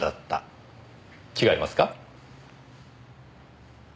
違いますか？